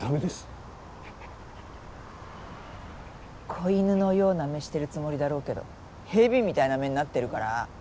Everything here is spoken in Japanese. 子犬のような目してるつもりだろうけど蛇みたいな目になってるから。